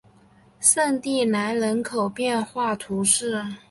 圣蒂兰人口变化图示